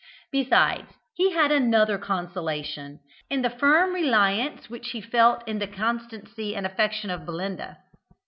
Besides, he had another consolation, in the firm reliance which he felt in the constancy and affection of Belinda.